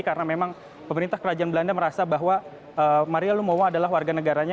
karena memang pemerintah kerajaan belanda merasa bahwa maria lumowa adalah warga negaranya